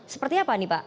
seperti apa nih pak